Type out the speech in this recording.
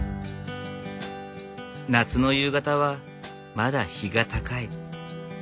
夏の夕方はまだ日が高い。